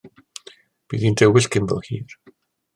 Bydd hi'n dywyll cyn bo hir.